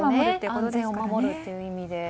安全を守るという意味で。